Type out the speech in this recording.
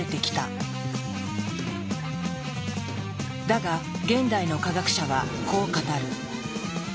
だが現代の科学者はこう語る。